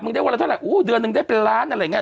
มึงได้วันละเท่าไหร่อู้เดือนนึงได้ตังค์เป็นล้านอะไง